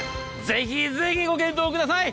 ぜひぜひご検討ください。